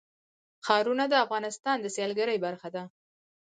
ښارونه د افغانستان د سیلګرۍ برخه ده.